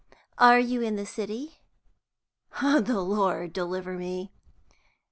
"Are you in the city?" "The Lord deliver me!"